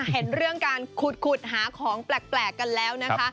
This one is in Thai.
เห็นเรื่องการขุดหาของแปลกกันแล้วนะคะ